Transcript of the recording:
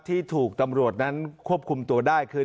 ที่ถูกตำรวจนั้นควบคุมตัวได้คือ